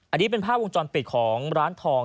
อันนี้เป็นภาพวงจรปิดของร้านทอง